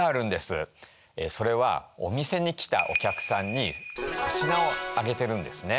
それはお店に来たお客さんに粗品をあげてるんですね。